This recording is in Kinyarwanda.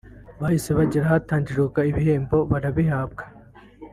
bahise bagera ahatangirwaga ibihembo barabihabwa